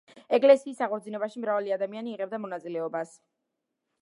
ეკლესიის აღორძინებაში მრავალი ადამიანი იღებდა მონაწილეობას.